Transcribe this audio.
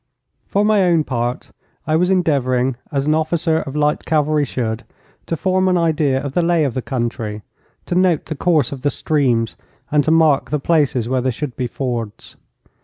For my own part I was endeavouring, as an officer of light cavalry should, to form an idea of the lay of the country, to note the course of the streams, and to mark the places where there should be fords.